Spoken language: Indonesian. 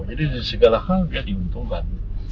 jadi segala hal dia diuntungkan